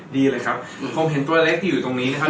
ดีเลยครับคงเห็นสวยเล็กตัวอยู่ตรงนี้ครับ